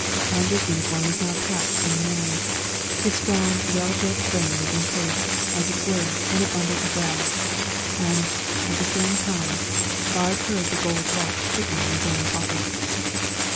Anders' uniform was now patched and worn; his strong, well built frame was encased, as it were, in a bundle of rags; and, at the same time, Baard heard the gold watch ticking in his own pocket.